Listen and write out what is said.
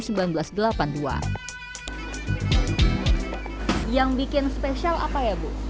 yang bikin spesial apa ya bu